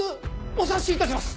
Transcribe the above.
お察しいたします！